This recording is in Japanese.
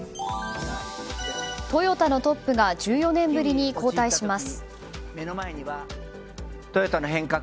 トヨタのトップが１４年ぶりに交代します。